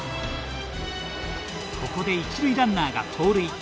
ここで一塁ランナーが盗塁。